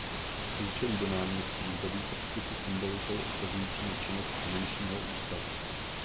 Průčelí do náměstí zdobí prvky se symbolikou odkazující na činnost finančního ústavu.